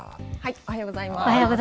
おはようございます。